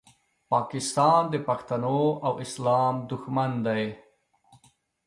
پاکستان د پښتنو او اسلام دوښمن دی